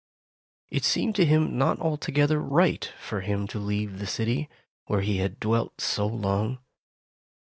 It seemed to him not altogether right for him to leave the city, where he had dwelt so long.